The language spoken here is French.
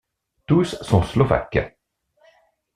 Tous sont slovaques.